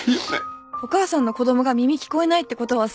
お母さんの子供が耳聞こえないってことはさ